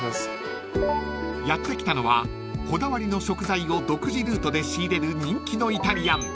［やって来たのはこだわりの食材を独自ルートで仕入れる人気のイタリアン］